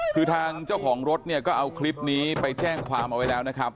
คือทางเจ้าของรถเนี่ยก็เอาคลิปนี้ไปแจ้งความเอาไว้แล้วนะครับ